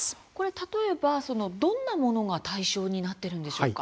例えばどんなものが対象になっているんでしょうか。